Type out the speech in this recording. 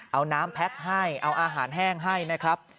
เอาน้ำแพ็คให้เอาอาหารแห้งให้นะครับ